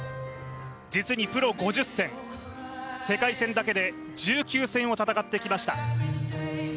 実にプロ５０戦、世界戦だけで１９戦を戦ってきました。